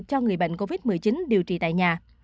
cho người bệnh covid một mươi chín điều trị tại nhà